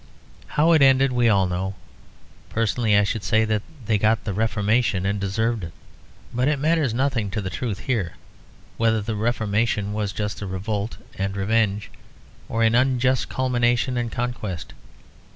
How it ended we all know; personally I should say that they got the Reformation and deserved it. But it matters nothing to the truth here whether the Reformation was a just revolt and revenge or an unjust culmination and conquest.